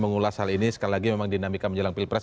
mengulas hal ini sekali lagi memang dinamika menjelang pilpres